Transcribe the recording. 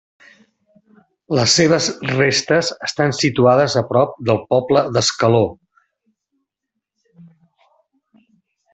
Les seves restes estan situades a prop del poble d'Escaló.